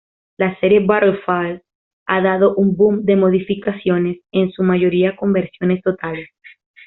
La serie "Battlefield" ha dado un "boom" de modificaciones, en su mayoría conversiones totales.